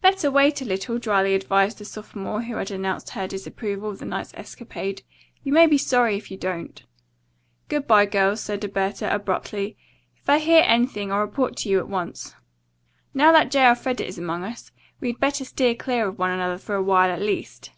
"Better wait a little," dryly advised the sophomore who had announced her disapproval of the night's escapade. "You may be sorry if you don't." "Good bye, girls," said Alberta abruptly. "If I hear anything, I'll report to you at once. Now that J. Elfreda is among us, we'd better steer clear of one another for a while at least."